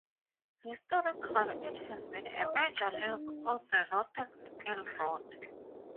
Historically, it has been a major link on the Northern Silk Road.